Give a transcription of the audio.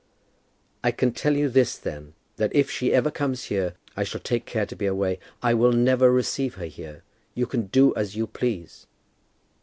"I can tell you this, then, that if ever she comes here, I shall take care to be away. I will never receive her here. You can do as you please."